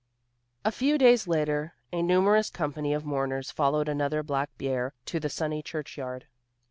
A few days later a numerous company of mourners followed another black bier to the sunny church yard.